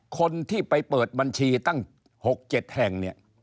คนที่ไปเปิดบัญชีตั้ง๖๗แห่งเนี่ย